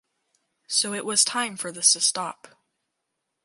So it was time for this to stop.